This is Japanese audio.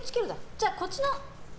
じゃあこっちの。